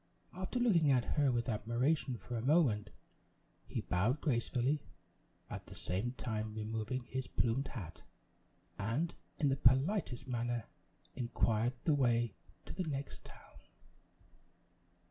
After looking at her with admiration for a moment, he bowed gracefully, at the same time removing his plumed hat, and, in the politest manner, inquired the way to the next town.